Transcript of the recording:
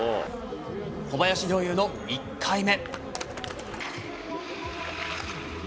小林陵侑の１回目。